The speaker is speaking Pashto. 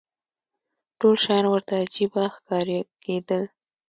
ټول شیان ورته عجیبه ښکاره کېدل.